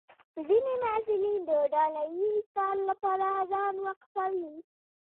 ځینې محصلین د ډله ییز کار لپاره ځان وقفوي.